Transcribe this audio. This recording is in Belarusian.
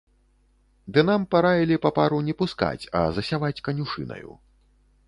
Ды нам параілі папару не пускаць, а засяваць канюшынаю.